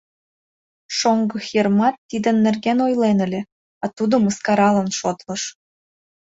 Шоҥго Хирмат тидын нерген ойлен ыле, а тудо мыскаралан шотлыш.